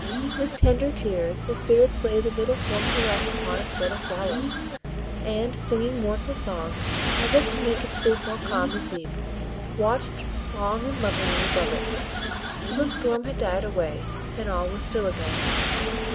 With tender tears the Spirits laid the little form to rest upon its bed of flowers, and, singing mournful songs, as if to make its sleep more calm and deep, watched long and lovingly above it, till the storm had died away, and all was still again.